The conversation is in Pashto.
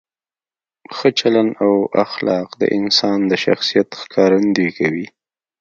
ښه چلند او اخلاق د انسان د شخصیت ښکارندویي کوي.